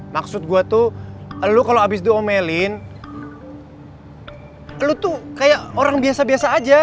maksud gue tuh lo kalo abis diomelin lo tuh kayak orang biasa biasa aja